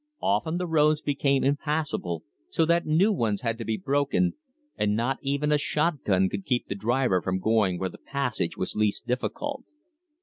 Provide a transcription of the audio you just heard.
Often the roads became impassable, so that new ones had to be broken, and not even a shot gun could keep the driver from going where the passage was least difficult.